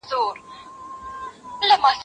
گيله نيمايي جنگ دئ.